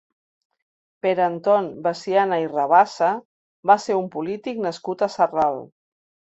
Pere Anton Veciana i Rabassa va ser un polític nascut a Sarral.